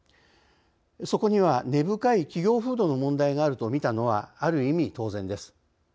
そこには根深い企業風土の問題があるとみたのはある意味、当然です。